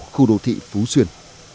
khu đồ thị phú xuyên